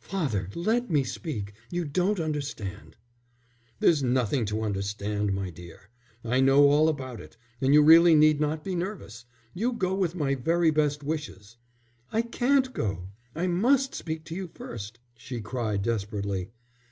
"Father, let me speak. You don't understand." "There's nothing to understand, my dear. I know all about it, and you really need not be nervous. You go with my very best wishes." "I can't go. I must speak to you first," she cried desperately.